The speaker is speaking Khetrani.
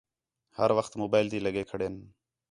ہر وخت موبائل تی لڳے کھڑین